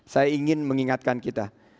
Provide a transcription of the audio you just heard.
saya ingin mengingatkan kita